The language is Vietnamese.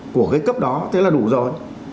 của cái cấp đó thế là đủ rồi